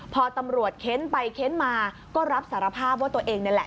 พอตำรวจเค้นไปเค้นมาก็รับสารภาพว่าตัวเองนี่แหละ